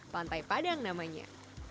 pantai padang namanya